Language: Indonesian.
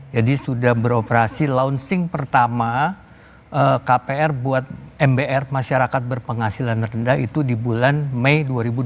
jadi sudah beroperasi launching pertama kpr buat mbr masyarakat berpenghasilan rendah itu di bulan mei dua ribu dua puluh satu